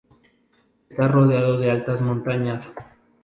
Está rodeado de altas montañas.